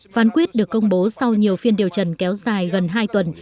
phán quyết được công bố sau nhiều phiên điều trần kéo dài gần hai tuần